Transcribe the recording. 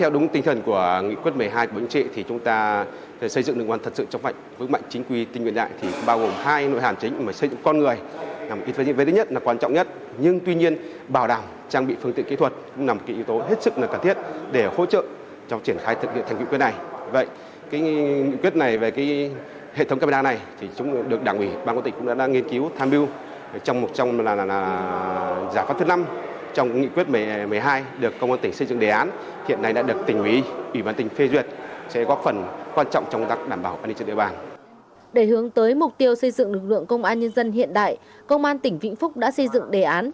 để hướng tới mục tiêu xây dựng lực lượng công an nhân dân hiện đại công an tỉnh vĩnh phúc đã xây dựng đề án